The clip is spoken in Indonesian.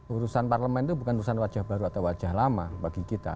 urusan parlemen itu bukan urusan wajah baru atau wajah lama bagi kita